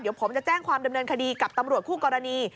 เดี๋ยวผมจะแจ้งความดำเนินคดีกับตำรวจคู่กรณี